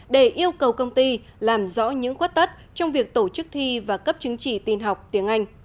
để yêu cầu công ty làm rõ những khuất tất trong việc tổ chức thi và cấp chứng chỉ tin học tiếng anh